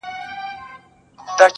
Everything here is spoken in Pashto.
شاعري سمه ده چي ته غواړې.